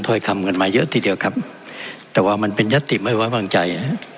ถ้อยคำกันมาเยอะทีเดียวครับแต่ว่ามันเป็นยัตติไม่ไว้วางใจ